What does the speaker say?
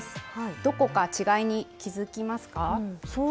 どこか違いに気付きますか。